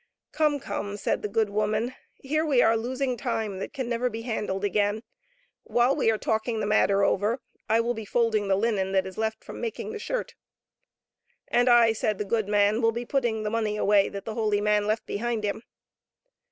" Come, come," said the good woman, " here we are losing time that can never be handled again. While we are talking the matter over I will be folding the linen that is left from making the shirt." " And I," said the good man, " will be putting the money away that the holy man left behind him."